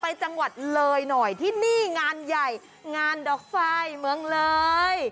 จังหวัดเลยหน่อยที่นี่งานใหญ่งานดอกไฟเมืองเลย